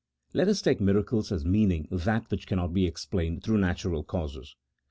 Let us take miracle as meaning that which cannot be ex plained through natural causes.